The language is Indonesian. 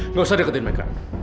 nggak usah deketin meka